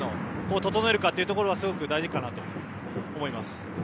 整えるかというところがすごく大事かなと思います。